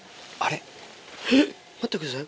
えっ待ってください